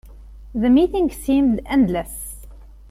The meeting seemed endless.